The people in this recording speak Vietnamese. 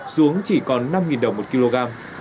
xuống chỉ còn năm đồng một kg